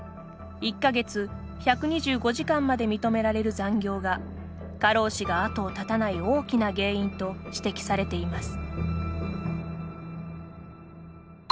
１か月１２５時間まで認められる残業が過労死が後を絶たない大きな原因と指摘されています。